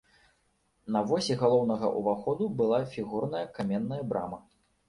На восі галоўнага ўваходу была фігурная каменная брама.